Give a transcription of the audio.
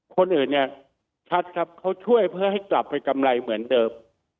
คนอื่นเนี่ยชัดครับเขาช่วยเพื่อให้กลับไปกำไรเหมือนเดิม